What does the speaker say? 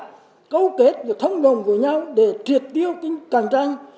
và cấu kết và thông đồng với nhau để triệt tiêu cạnh tranh